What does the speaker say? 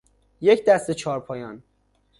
یک دسته چارپایان